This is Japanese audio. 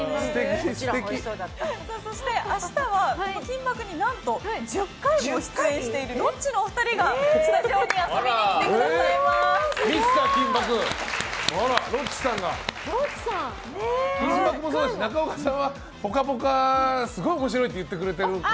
そして、明日は「金バク！」に１０回も出演しているロッチのお二人がスタジオに遊びに来てくださいます。